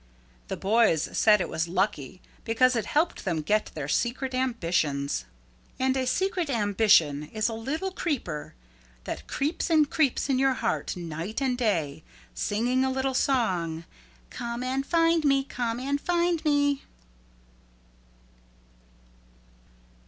The boys said it was lucky because it helped them get their secret ambitions. And a secret ambition is a little creeper that creeps and creeps in your heart night and day, singing a little song, "Come and find me, come and find me."